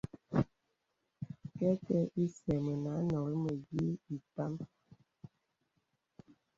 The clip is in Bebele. Kɛkɛ̄ isɛ̂ mə anɔ̀rì mə̀yìì ìtām.